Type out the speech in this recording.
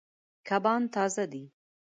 کبان تازه دي.